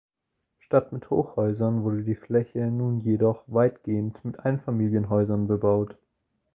Statt mit Hochhäusern wurde die Fläche nun jedoch weitgehend mit Einfamilienhäusern bebaut.